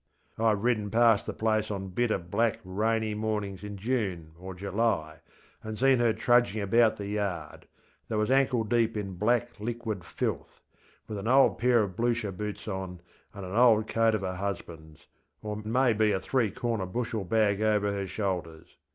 ŌĆÖ IŌĆÖve ridden past the place on bitter black rainy mornings in June or July, and seen her trudging about the yardŌĆöthat was ankle deep in black liquid filthŌĆöwith an old pair of Blucher boots on, and an old coat of her husbandŌĆÖs, or maybe a three bushel bag over her shoulders.